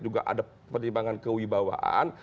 juga ada perlibangan kewibawaan